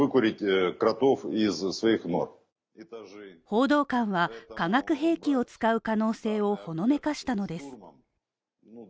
報道官は化学兵器を使う可能性をほのめかしたのです。